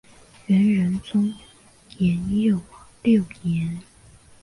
元仁宗延佑六年。